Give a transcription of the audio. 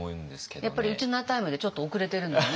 やっぱりウチナータイムでちょっと遅れてるのね。